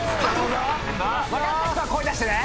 分かった人は声出してね。